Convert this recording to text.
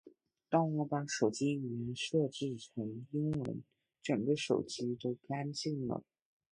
当我把手机语言设置成英文，整个手机都干净了